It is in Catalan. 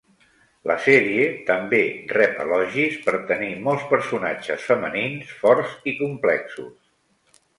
La sèrie també rep elogis per tenir molts personatges femenins forts i complexos.